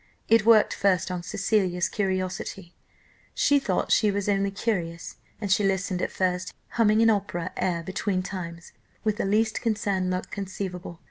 It worked first on Cecilia's curiosity; she thought she was only curious, and she listened at first, humming an opera air between times, with the least concerned look conceivable.